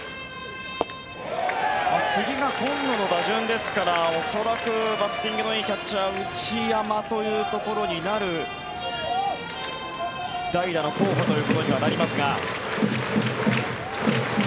次が今野の打順ですから恐らくバッティングのいいキャッチャー内山というところになる代打の候補とはなりますが。